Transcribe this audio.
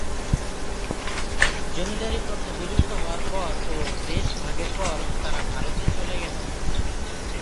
জমিদারী প্রথা বিলুপ্ত হওয়ার পর ও দেশ ভাগের পর তারা ভারতে চলে গেছেন।